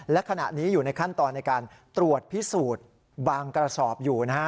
และขณะนี้อยู่ในขั้นตอนในการตรวจพิสูจน์บางกระสอบอยู่นะฮะ